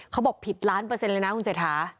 เขาบอกผิดล้านเปอร์เซ็นเลยนะคุณเศรษฐา